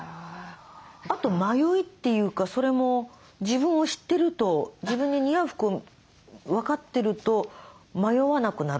あと迷いというかそれも自分を知ってると自分に似合う服分かってると迷わなくなるとか？